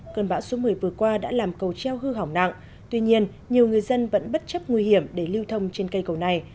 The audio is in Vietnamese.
cơn bão số một mươi vừa qua đã làm cầu treo hư hỏng nặng tuy nhiên nhiều người dân vẫn bất chấp nguy hiểm để lưu thông trên cây cầu này